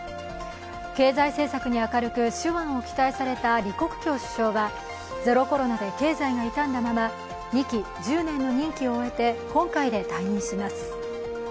経済政策に明るく、手腕を期待された李克強首相はゼロコロナで経済が傷んだまま２期１０年の任期を終えて今回で退任します。